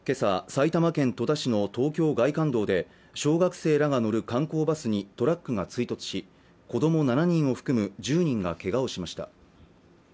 埼玉県戸田市の東京外環道で小学生らが乗る観光バスにトラックが追突し子ども７人を含む１０人がけがをしました